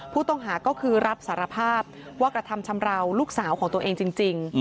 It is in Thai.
ผู้ต้องหาก็คือรับสารภาพว่ากระทำชำราวลูกสาวของตัวเองจริง